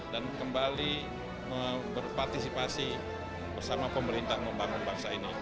dan kembali berpartisipasi bersama pemerintah membangun bangsa ini